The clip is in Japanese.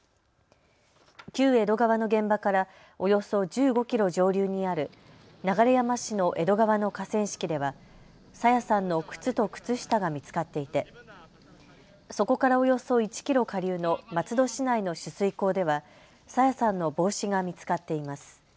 旧江戸川の現場からおよそ１５キロ上流にある流山市の江戸川の河川敷では朝芽さんの靴と靴下が見つかっていてそこからおよそ１キロ下流の松戸市内の取水口では朝芽さんの帽子が見つかっています。